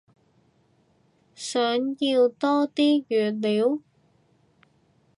想要多啲語料？